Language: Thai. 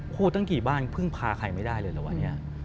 โอ้โหตั้งกี่บ้านพึ่งพาใครไม่ได้เลยเหรอวันนี้